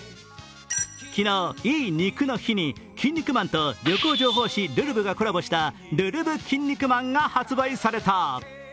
昨日、いい肉の日に「キン肉マン」と旅行情報誌「るるぶ」がコラボした「るるぶキン肉マン」が発売された。